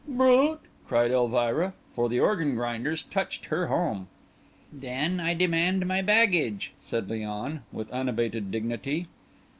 "Brute!" cried Elvira, for the organ grinders touched her home. "Then I demand my baggage," said Léon, with unabated dignity.